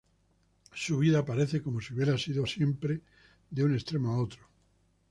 Su vida parece como si hubiera ido siempre de un extremo a otro.